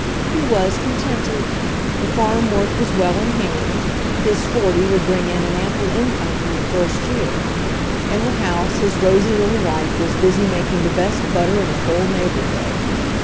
He was contented. The farm work was well in hand; his forty would bring in an ample in come from the first year; in the house his rosy little wife was busy making the best butter in the whole neighborhood.